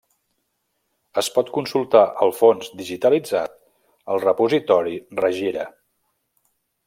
Es pot consultar el fons digitalitzat al repositori Regira.